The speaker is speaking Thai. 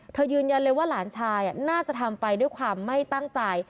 ยืนยันเลยว่าหลานชายน่าจะทำไปด้วยความไม่ตั้งใจ